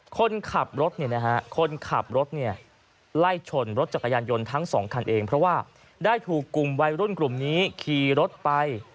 คนขับรถคนขับรถไล่ชนรถจักรยานยนต์ทั้งสองคันเองเพราะว่าได้ถูกกลุ่มวัยรุ่นกลุ่มนี้ขี่รถไป